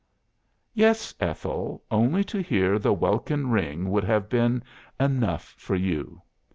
"Yes, Ethel, only to hear the welkin ring would have been enough for you.